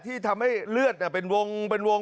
ที่ทำให้เลือดเป็นวง